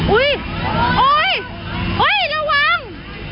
อุ๊ยโอ๊ยระวัง